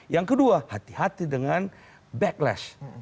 yang kedua hati hati dengan backlash